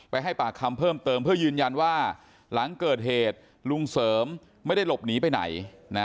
ให้ปากคำเพิ่มเติมเพื่อยืนยันว่าหลังเกิดเหตุลุงเสริมไม่ได้หลบหนีไปไหน